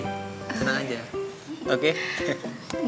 senang aja oke